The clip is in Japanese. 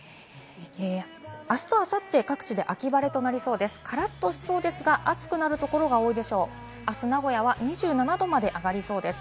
あすとあさって各地で秋晴れとなりそうです。